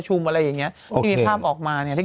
อึก